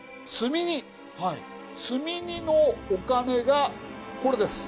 積み荷のお金がこれです。